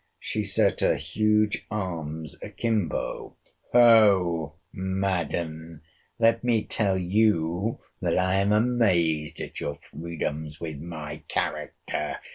She set her huge arms akimbo: Hoh! Madam, let me tell you that I am amazed at your freedoms with my character!